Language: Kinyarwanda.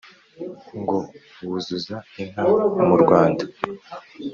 ngo wuzuza inká mu rwanda